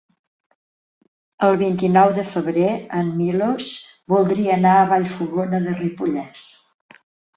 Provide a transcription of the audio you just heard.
El vint-i-nou de febrer en Milos voldria anar a Vallfogona de Ripollès.